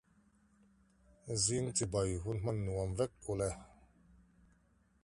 In the Third Intermediate Period and later, dummy canopic jars were introduced.